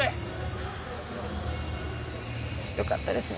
良かったですね。